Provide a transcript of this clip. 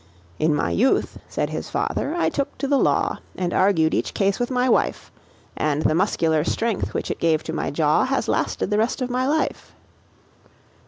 "In my youth," said his fater, "I took to the law, And argued each case with my wife; And the muscular strength, which it gave to my jaw, Has lasted the rest of my life."